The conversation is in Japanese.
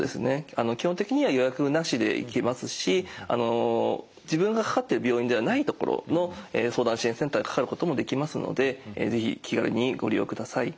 基本的には予約なしで行けますし自分がかかってる病院ではない所の相談支援センターにかかることもできますので是非気軽にご利用ください。